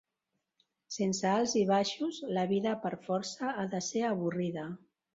Sense alts i baixos, la vida per força ha de ser avorrida.